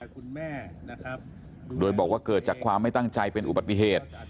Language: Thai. คุณแม่นะครับโดยบอกว่าเกิดจากความไม่ตั้งใจเป็นอุบัติเหตุ